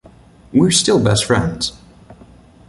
We're still best friends.